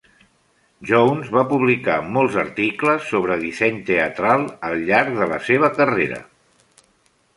Jones va publicar molts articles sobre disseny teatral al llarg de la seva carrera.